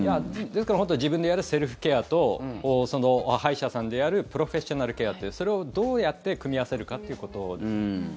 ですから自分でやるセルフケアと歯医者さんでやるプロフェッショナルケアというそれをどうやって組み合わせるかということです。